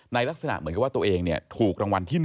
ลักษณะเหมือนกับว่าตัวเองถูกรางวัลที่๑